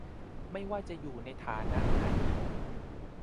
ไว้ว่าจะอยู่ในฐานะไหน